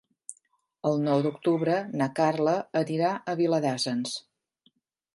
El nou d'octubre na Carla anirà a Viladasens.